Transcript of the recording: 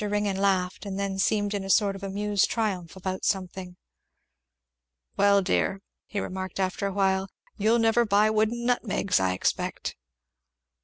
Ringgan laughed, and then seemed in a sort of amused triumph about something. "Well dear!" he remarked after a while, "you'll never buy wooden nutmegs, I expect."